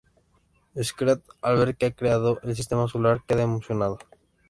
Scrat, al ver que ha creado el sistema solar, queda emocionado.